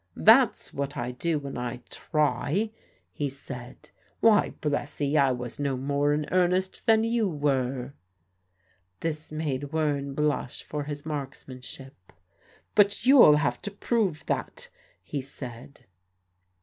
"That's what I do when I try," he said. "Why, bless 'ee, I was no more in earnest than you were!" This made Wearne blush for his marksmanship. "But you'll have to prove that," he said.